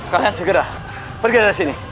kalian segera pergi dari sini